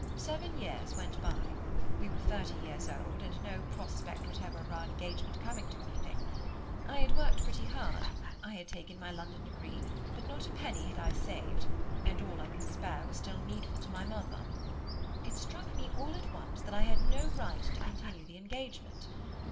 Seven years went by; we were thirty years old, and no prospect whatever of our engagement coming to anything. I had worked pretty hard; I had taken my London degree; but not a penny had I saved, and all I could spare was still needful to my mother. It struck me all at once that I had no right to continue the engagement.